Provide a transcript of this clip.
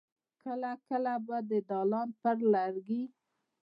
کله کله به د دالان پر لرګي.